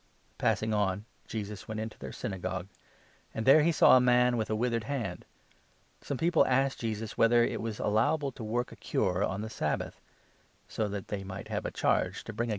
8 Passing on, Jesus went into their Synagogue, 9 a Mai? with ant^ there he saw a man with a withered hand. 10 a withered Some people asked Jesus whether it was allowable Hand. to work a cure on t|ie Sabbath — so that they might have a charge to bring against him.